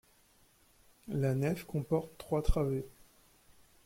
La nef comporte trois travées.